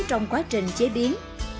trong quá trình chế biến